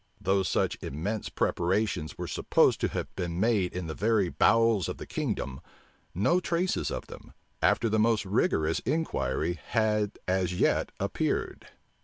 Though such immense preparations were supposed to have been made in the very bowels of the kingdom, no traces of them, after the most rigorous inquiry, had as yet appeared.